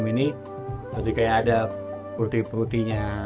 yang minum ini seperti ada putih putihnya